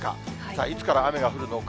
いつから雨が降るのか。